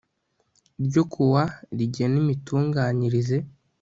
ryo ku wa rigena imitunganyirize